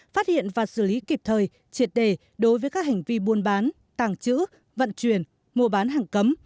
phát hiện và xử lý kịp thời triệt đề đối với các hành vi buôn bán tàng trữ vận chuyển mua bán hàng cấm